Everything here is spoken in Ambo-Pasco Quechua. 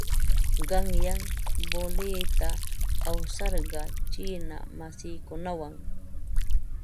Qanyan voleyta awasarqaa chiina masiikunawan.